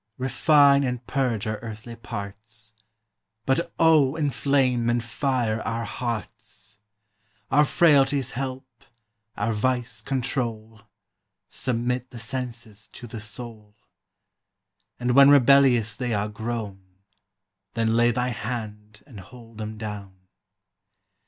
Refine and purge our earthly parts; But, O, inflame and fire our hearts! Our frailties help, our vice control, Submit the senses to the soul; And when rebellious they are grown, Then lay thy hand and hold 'em down.